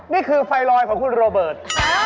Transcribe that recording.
นี่คือไฟลอยของคุณโรเบิร์ต